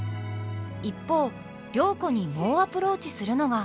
一方良子に猛アプローチするのが。